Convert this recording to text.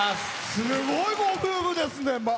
すごいご夫婦ですね。